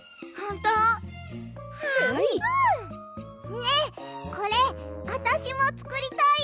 ねえこれあたしもつくりたい！